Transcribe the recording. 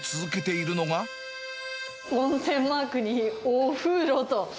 温泉マークにおふろと。